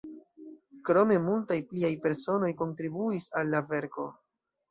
Krome multaj pliaj personoj kontribuis al la verko.